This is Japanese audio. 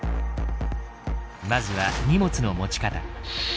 まずは荷物の持ち方。